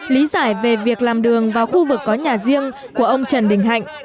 lý giải về việc làm đường vào khu vực có nhà riêng của ông trần đình hạnh